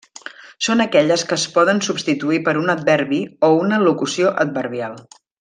Són aquelles que es poden substituir per un adverbi o una locució adverbial.